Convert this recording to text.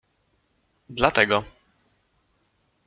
Dlatego.